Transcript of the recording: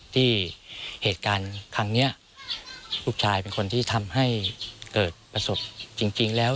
ที่เหตุการณ์ครั้งนี้ลูกชายเป็นคนที่ทำให้เกิดประสบจริงแล้ว